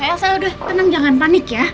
elsa udah tenang jangan panik ya